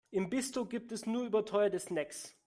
Im Bistro gibt es nur überteuerte Snacks.